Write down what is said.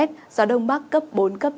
gió đông bắc cấp bốn cấp năm